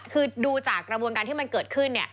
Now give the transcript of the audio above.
คือดูจากกระบวนการที่มันเกิดขึ้น